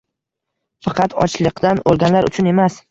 Faqat... ochliqdan o‘lganlar uchun emas!